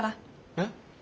えっ？